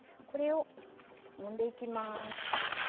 これを、もんでいきます。